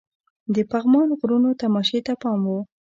د پغمان غرونو تماشې ته پام وو.